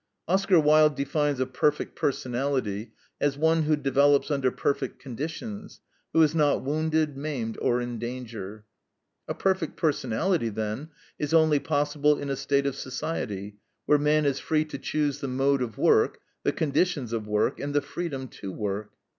Oscar Wilde defines a perfect personality as "one who develops under perfect conditions, who is not wounded, maimed, or in danger." A perfect personality, then, is only possible in a state of society where man is free to choose the mode of work, the conditions of work, and the freedom to work.